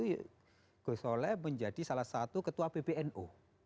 waktu itu gusole menjadi salah satu ketua pbno